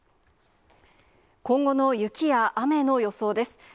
今後の雪や雨の予想です。